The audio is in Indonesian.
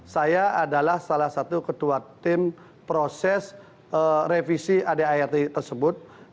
saya adalah salah satu ketua tim proses revisi adart tersebut